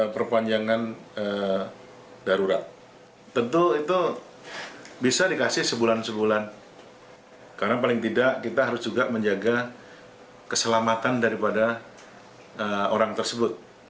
perpanjangan darurat tentu itu bisa dikasih sebulan sebulan karena paling tidak kita harus juga menjaga keselamatan daripada orang tersebut